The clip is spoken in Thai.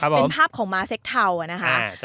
เป็นภาพของม้าเซ็กเทานะคะ